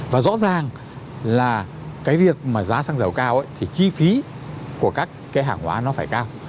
và rõ ràng là cái việc mà giá xăng dầu cao ấy thì chi phí của các cái hàng hóa nó phải cao